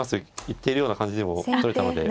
言っているような感じにもとれたので。